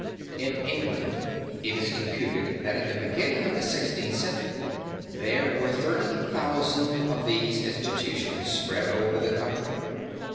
In England, it is computed that at the beginning of the Sixteenth Century there were thirty thousand of these institutions spread over the country.